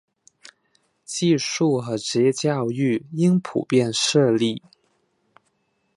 技术和职业教育应普遍设立。